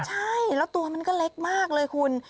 ใช่แล้วตัวมันก็เล็กมากเลยคุณ